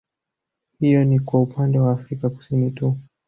Hiyo ni kwa upande wa afrika Kusini tu